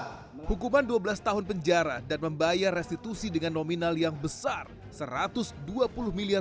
dengan hukuman dua belas tahun penjara dan membayar restitusi dengan nominal yang besar satu ratus dua puluh miliar